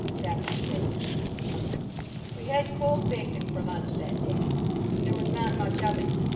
CHAPTER VI WE had cold bacon for lunch that day. There was not much of it.